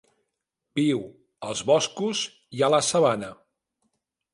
Viu als boscos i a la sabana.